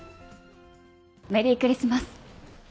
メリークリスマス。